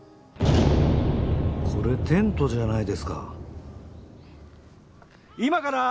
これテントじゃないですか。